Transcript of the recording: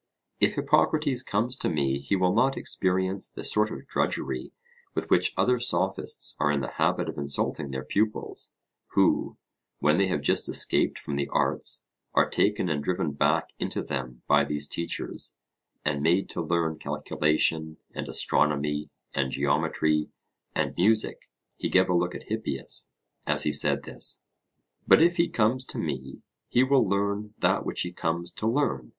If Hippocrates comes to me he will not experience the sort of drudgery with which other Sophists are in the habit of insulting their pupils; who, when they have just escaped from the arts, are taken and driven back into them by these teachers, and made to learn calculation, and astronomy, and geometry, and music (he gave a look at Hippias as he said this); but if he comes to me, he will learn that which he comes to learn.